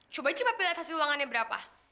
coba coba lihat hasil ulangannya berapa